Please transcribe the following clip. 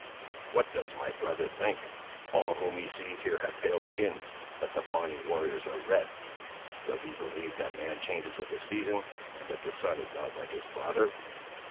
What does my brother think? all whom he sees here have pale skins, but the Pawnee warriors are red; does he believe that man changes with the season, and that the son is not like his father?"